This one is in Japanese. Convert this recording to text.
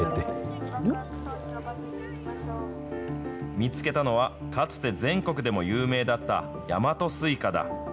見つけたのは、かつて全国でも有名だった大和スイカだ。